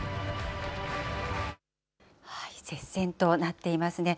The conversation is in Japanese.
接戦となっていますね。